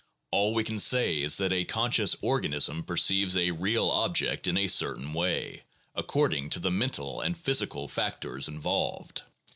All we can say is that a conscious organism perceives a real object in a certain way, according to the mental and physical factors involved.